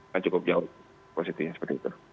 jadi cukup jauh posisinya seperti itu